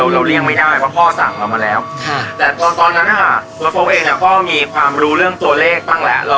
ตัวโฟกเองก็มีความรู้เรื่องตัวเลขบ้างแหละ